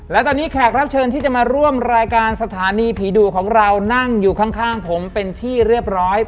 และตอนนี้แขกรับเชิญที่จะมาร่วมรายการสถานีผีดุของเรานั่งอยู่ข้างผมเป็นที่เรียบร้อย